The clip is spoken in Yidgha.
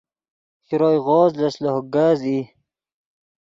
شروئے غوز لس لوہ کز ای